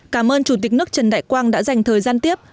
cảm ơn chủ tịch nước trần đại quang đã dành thời gian tiếp